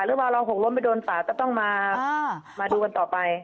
หรือว่าเราหกล้มไปโดนป่าก็ต้องมาดูกันต่อไป